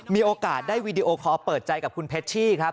มีโอกาสได้วีดีโอคอลเปิดใจกับคุณเพชชี่ครับ